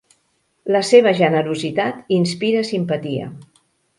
La seva generositat inspira simpatia.